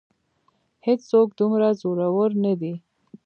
هېڅ څوک دومره زورور نه دی.